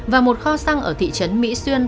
và một kho xăng ở thị trấn mỹ xuyên